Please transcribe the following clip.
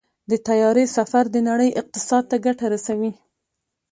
د طیارې سفر د نړۍ اقتصاد ته ګټه رسوي.